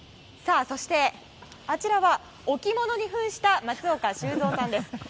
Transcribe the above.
さあ、そしてあちらは置き物に扮した松岡修造さんです。